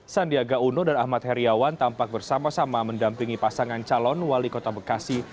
sandiaga uno dan ahmad heriawan tampak bersama sama mendampingi pasangan calon wali kota bekasi